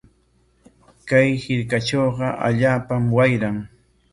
Chay hirkatrawqa allaapam wayran.